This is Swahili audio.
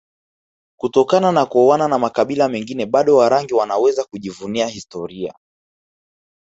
kutokana na kuoana na makabila mengine bado Warangi wanaweza kujivunia historia